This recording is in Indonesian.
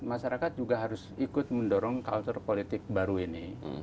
masyarakat juga harus ikut mendorong kultur politik baru ini